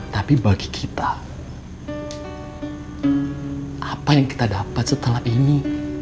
tapi bagi kita apa yang kita dapat setelah ini